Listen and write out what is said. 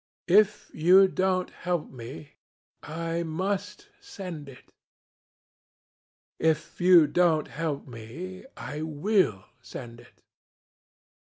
If you don't help me, I must send it. If you don't help me, I will send it.